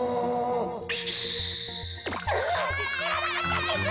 うわ！ししらなかったんです！